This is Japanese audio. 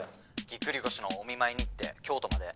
ぎっくり腰のお見舞いにって京都まで。